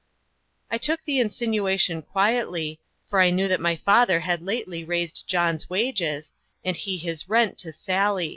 I took the insinuation quietly, for I knew that my father had lately raised John's wages, and he his rent to Sally.